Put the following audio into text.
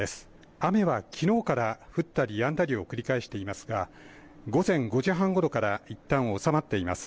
雨はきのうから降ったりやんだりを繰り返していますが、午前５時半ごろからいったん収まっています。